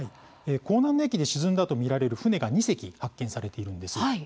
弘安の役で沈んだと見られる船が２隻発見されているんです。